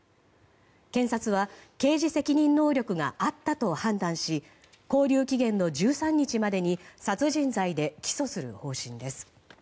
検察は刑事責任能力があったと判断し勾留期限の１３日までに殺人罪で起訴する方針です。